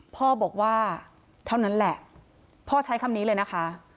พ่อบอกว่าเท่านั้นแหละพ่อใช้คำนี้เลยนะคะ